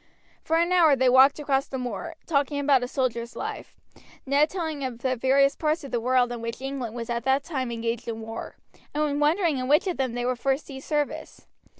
For an hour they walked across the moor, talking about a soldier's life, Ned telling of the various parts of the world in which England was at that time engaged in war, and wondering in which of them they would first see service.